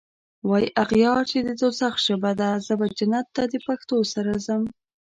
واي اغیار چی د دوږخ ژبه ده زه به جنت ته دپښتو سره ځم